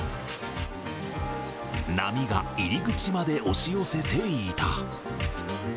波が入り口まで押し寄せていた。